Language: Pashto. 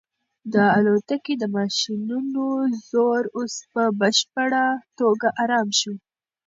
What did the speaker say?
د الوتکې د ماشینونو زور اوس په بشپړه توګه ارام شو.